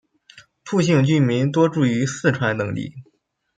兔姓居民多住于四川等地。